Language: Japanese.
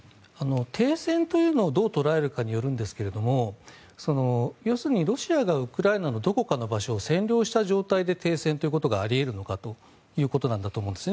停戦というのをどう捉えるかによるんですが要するにロシアがウクライナのどこかの場所を占領した状態で停戦ということがあり得るのかということなんだと思うんです